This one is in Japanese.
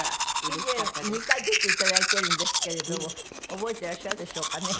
以前２回出ていただいてるんですけれども覚えてらっしゃるでしょうかね。